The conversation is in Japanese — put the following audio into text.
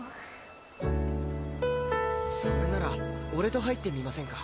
それなら俺と入ってみませんか？